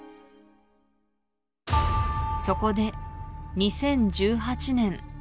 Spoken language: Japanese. そこで２０１８年